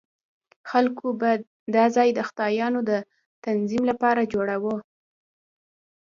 خلکو به دا ځای د خدایانو د تعظیم لپاره جوړاوه.